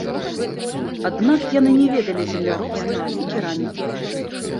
Аднак яны не ведалі земляробства і керамікі.